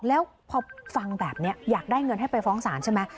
แล้วพอฟังแบบนี้อยากได้เงินให้ไปฟ้องศาลใช่ไหม